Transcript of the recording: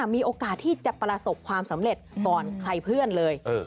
มีโอกาสที่จะประสบความสำเร็จก่อนใครเพื่อนเลย